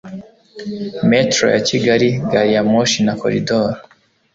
metro ya kigali , gari ya moshi na koridoro